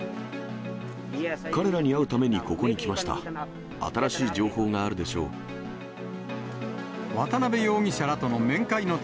彼らに会うためにここに来ました。